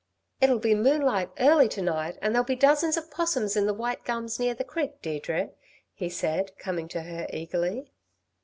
"It'll be moonlight early to night, and there'll be dozens of 'possums in the white gums near the creek, Deirdre," he said, coming to her eagerly.